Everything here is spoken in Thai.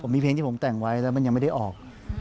มีเพลงที่ผมแต่งไว้แล้วมันยังไม่ได้ออก